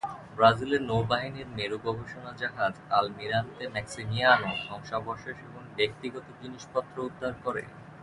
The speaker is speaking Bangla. ব্রাজিলের নৌবাহিনীর মেরু গবেষণা জাহাজ "আলমিরান্তে ম্যাক্সিমিয়ানো" ধ্বংসাবশেষ এবং ব্যক্তিগত জিনিসপত্র উদ্ধার করে।